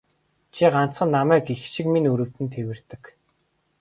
Чи ганцхан намайг эх шиг минь өрөвдөн тэвэрдэг.